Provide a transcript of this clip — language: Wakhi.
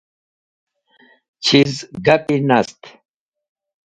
Chiz gapi nast?